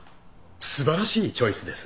素晴らしいチョイスです。